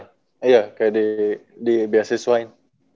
kayak di bsi swain